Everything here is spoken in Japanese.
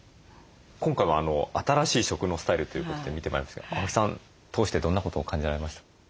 今回は新しい食のスタイルということで見てまいりましたが青木さん通してどんなことを感じられました？